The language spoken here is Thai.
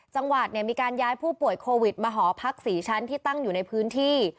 จังหวัดมีการย้ายผู้ป่วยโควิดมาหอพัก๔ชั้นที่ตั้งอยู่ในพื้นที่